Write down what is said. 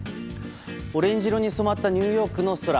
オレンジ色に染まったニューヨークの空。